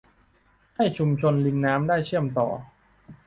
ให้ชุมชนริมน้ำได้เชื่อมต่อ